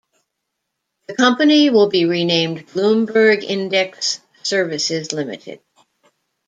The company will be renamed Bloomberg Index Services Limited.